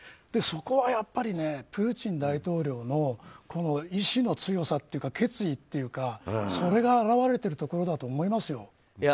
そこはやっぱりプーチン大統領の意志の強さというか決意というかそれが表れているところだと思いますよ。